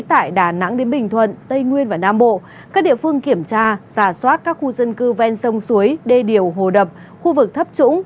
tại đà nẵng đến bình thuận tây nguyên và nam bộ các địa phương kiểm tra giả soát các khu dân cư ven sông suối đê điều hồ đập khu vực thấp trũng